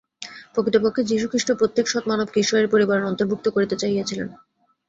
প্রকৃতপক্ষে যীশুখ্রীষ্ট প্রত্যেক সৎ মানবকে ঈশ্বরের পরিবারের অন্তর্ভুক্ত করিতে চাহিয়াছিলেন।